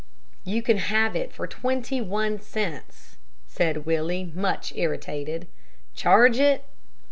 "You can have it for twenty one cents," said Willie, much irritated. "Charge it?"